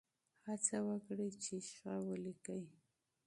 هڅه وکړئ چې ښه ولیکئ.